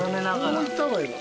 こういった方がいいの？